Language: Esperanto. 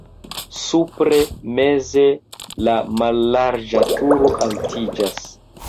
Supre meze la mallarĝa turo altiĝas.